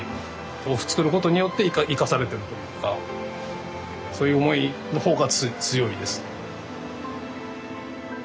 豆腐作ることによって生かされてるというかそういう思いの方が強いです。